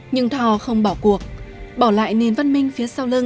nhưng thò không bỏ cuộc bỏ lại nền văn minh phía sau lưng